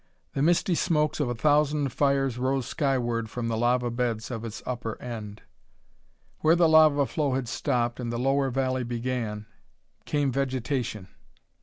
The misty smokes of a thousand fires rose skyward from the lava beds of its upper end. Where the lava flow had stopped and the lower valley began, came vegetation.